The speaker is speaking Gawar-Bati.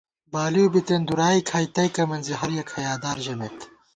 بالِؤ بِتېن دُرائےکھائی تئیکہ مِنزی ہر یَک حیادار ژَمېت